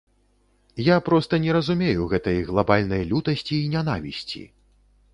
Я проста не разумею гэтай глабальнай лютасці і нянавісці.